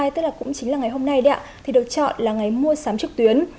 tức là cũng chính là ngày hôm nay đấy ạ thì được chọn là ngày mua sắm trực tuyến